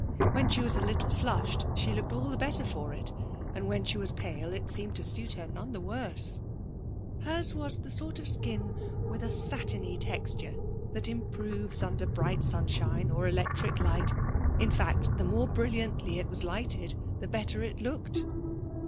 When she was a little flushed she looked all the better for it, and when she was pale it seemed to suit her none the worse. Hers was the sort of skin with a satiny texture that improves under bright sunshine or electric light; in fact the more brilliantly it was lighted the better it looked.